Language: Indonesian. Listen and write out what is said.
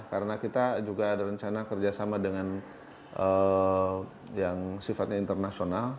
karena kita juga ada rencana kerjasama dengan yang sifatnya internasional